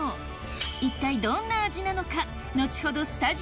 一体どんな味なのか？